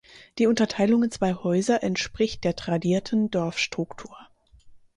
Die Unterteilung in zwei Häuser entspricht der tradierten Dorfstruktur.